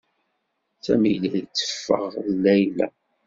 Sami la yetteffeɣ d Layla.